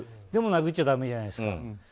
でも殴っちゃだめじゃないですか。